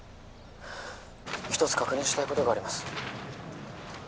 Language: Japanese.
☎一つ確認したいことがあります